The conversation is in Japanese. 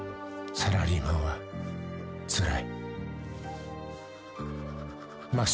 ［サラリーマンはつらい］